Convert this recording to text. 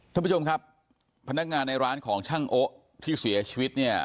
ท่านผู้ชมครับพนักงานในร้านของช่างโอ๊ะที่เสียชีวิตเนี่ย